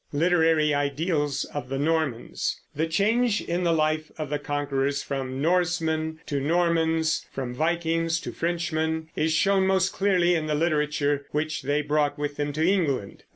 LITERARY IDEALS OF THE NORMANS. The change in the life of the conquerors from Norsemen to Normans, from Vikings to Frenchmen, is shown most clearly in the literature which they brought with them to England.